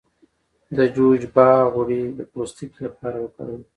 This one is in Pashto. د جوجوبا غوړي د پوستکي لپاره وکاروئ